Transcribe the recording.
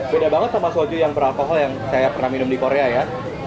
beda banget sama soju yang beralkohol yang saya pernah minum di korea ya